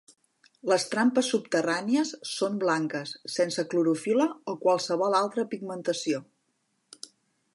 Les trampes subterrànies són blanques, sense clorofil·la o qualsevol altra pigmentació.